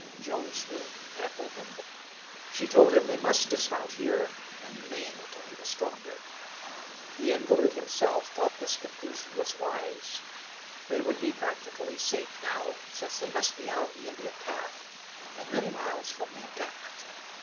Joe's wound had opened. She told him they must dismount here, and remain until he was stronger. The invalid himself thought this conclusion was wise. They would be practically safe now, since they must be out of the Indian path, and many miles from the encampment.